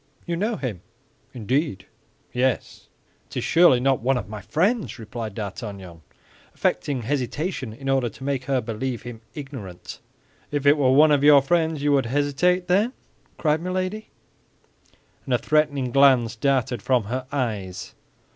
"You know him." "Indeed." "Yes." "It is surely not one of my friends?" replied D'Artagnan, affecting hesitation in order to make her believe him ignorant. "If it were one of your friends you would hesitate, then?" cried Milady; and a threatening glance darted from her eyes.